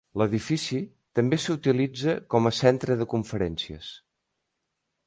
L'edifici també s'utilitza com a centre de conferències.